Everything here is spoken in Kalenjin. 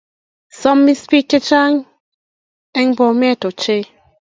Samis pik che chnag en Bomet ochei